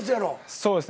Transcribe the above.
そうですね